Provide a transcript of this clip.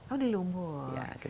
oh di lumpur